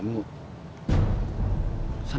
maksud diri marin